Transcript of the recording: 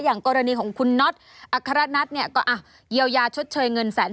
อย่างกรณีของคุณน็อตอะครัฐนัตก็อ่ะเยียวยาชดเฉยเงิน๑๘๐๐๐๐